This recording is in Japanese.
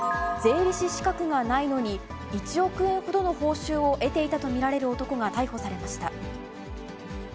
税理士資格がないのに、１億円ほどの報酬を得ていたと見られる男が逮捕されました。